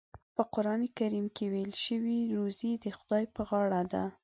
په قرآن کریم کې ویل شوي روزي د خدای په غاړه ده.